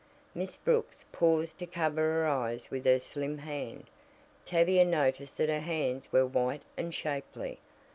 Miss Brooks paused to cover her eyes with her slim hand. Tavia noticed that her hands were white and shapely.